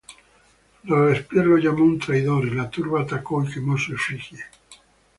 Robespierre lo llamó un traidor y la turba atacó y quemó su efigie.